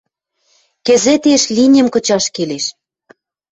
— Кӹзӹтеш линим кычаш келеш...